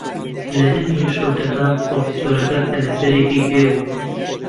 لە دەمی ئەشکەوتەکە پرۆفیسۆرەکە کەللەسەرێکی پێ بوو